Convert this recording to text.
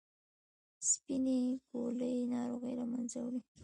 سپینې ګولۍ ناروغي له منځه وړي.